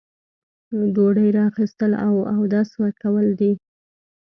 ډوډۍ را اخیستل او اودس کول دي.